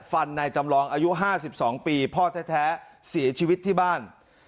ฟันนายจำลองอายุห้าสิบสองปีพ่อแท้แท้สีชีวิตที่บ้าน